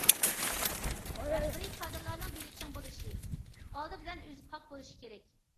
رەھبىرىي كادىرلارنىڭ بېلى چىڭ بولۇشى، ئالدى بىلەن ئۆزى پاك بولۇشى كېرەك.